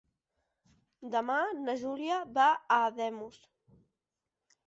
Demà na Júlia va a Ademús.